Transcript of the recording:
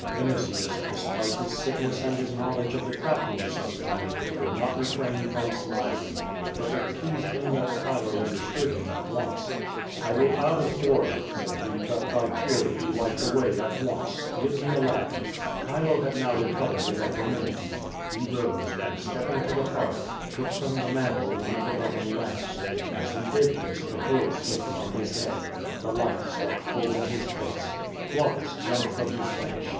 "* Vinitius, despite his sickness and his knowledge of the craftiness of the Greek, could not refrain from smiling. But it j)leased him that Chilo understood him at once. *Aedou was changed into a nightingale. QUO VADIfi. 193 ^^I will add an order/' said lie, "tliat th}^ tears be wiped away at once. Give me a lamp." C'hilo had now recovered his equanimity. He rose, and stepping to the hearth, took from the mantel one of the burn ing lamps. As he did this the hood slipped from his head. The light struck full in his face. Glaucus jumped from his bench.